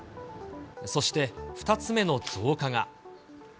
そして、２つ目の増加が。